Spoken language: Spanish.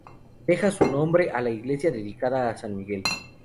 Debe su nombre a la iglesia dedicada a San Miguel.